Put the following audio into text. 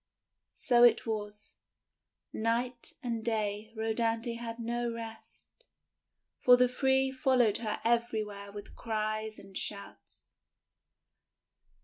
So it was, night and day Rhodanthe had no rest, for the three followed her everywhere with cries and shouts.